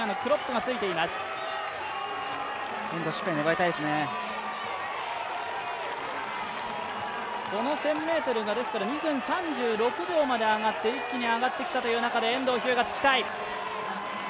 １０００ｍが２分３６秒まで上がって一気に上がってきた中で遠藤日向、つきたい。